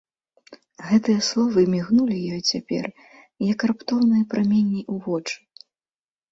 Гэтыя словы мігнулі ёй цяпер, як раптоўныя праменні ў вочы.